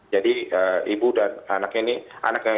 jadi ibu dan anaknya ini